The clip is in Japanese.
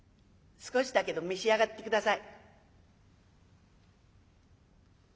少しだけど召し上がって下さい」。